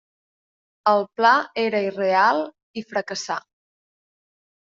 El pla era irreal i fracassà.